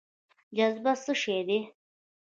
جاذبه څه شی دی؟